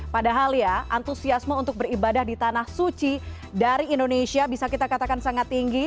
padahal ya antusiasme untuk beribadah di tanah suci dari indonesia bisa kita katakan sangat tinggi